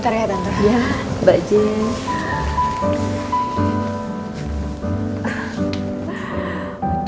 jan kita bisa bicara sebentar